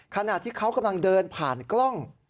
ขณะที่เขากำลังเดินผ่านกล้อง